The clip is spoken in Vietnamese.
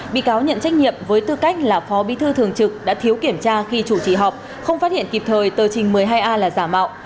bị cáo nhận trách nhiệm với tư cách là phó bí thư thường trực đã thiếu kiểm tra khi chủ trì họp không phát hiện kịp thời tờ trình một mươi hai a là giả mạo